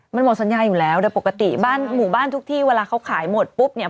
มันหมดสัญญาอยู่แล้วโดยปกติบ้านหมู่บ้านทุกที่เวลาเขาขายหมดปุ๊บเนี่ย